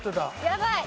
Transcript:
やばい！